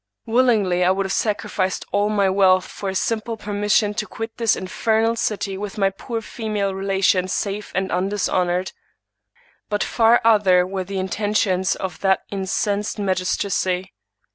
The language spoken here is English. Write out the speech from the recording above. Willingly I would have sacrificed all my wealth for a simple permission to quit this infernal city with my poor female relations safe and undishonored. But far other were the intentions of that incensed magistracy.